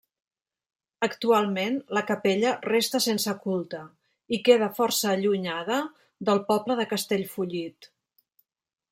Actualment la capella resta sense culte i queda força allunyada del poble de Castellfollit.